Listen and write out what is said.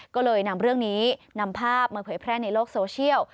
ก็เลยนำเรื่องนี้นำภาพมาเผยแพร่ในโลกโซเชียล